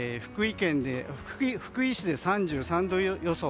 福井市で３３度予想。